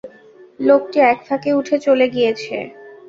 লোকটি এক ফাঁকে উঠে চলে গিয়েছে।